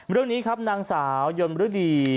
เรื่องนี้ครับนางสาวยนต์ฤดี